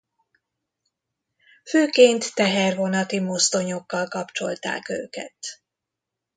Főként tehervonat-i mozdonyokkal kapcsolták őket.